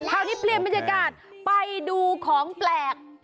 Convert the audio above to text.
คราวนี้เปลี่ยนบรรยากาศไปดูของแปลก